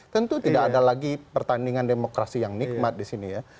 tentu tidak ada lagi pertandingan demokrasi yang nikmat di sini ya